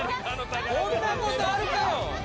こんなことあるかよ！